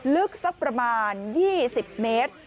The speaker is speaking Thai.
ลึกสักประมาณ๒๐เมตร